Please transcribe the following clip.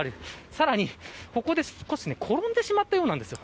さらに、ここで少し転んでしまったようなんです。